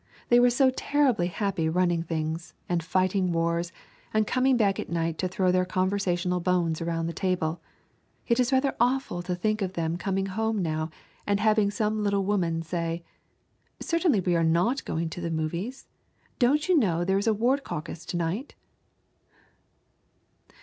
They were so terribly happy running things, and fighting wars, and coming back at night to throw their conversational bones around the table. It is rather awful to think of them coming home now and having some little woman say: "Certainly we are not going to the movies. Don't you know there is a ward caucus to night?"